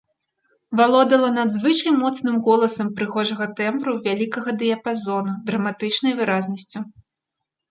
Валодала надзвычай моцным голасам прыгожага тэмбру вялікага дыяпазону, драматычнай выразнасцю.